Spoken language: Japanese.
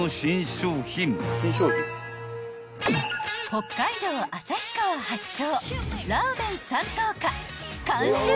［北海道旭川発祥］